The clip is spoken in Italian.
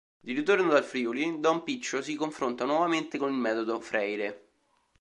Di ritorno dal Friuli, Don Piccio si confronta nuovamente con il metodo Freire.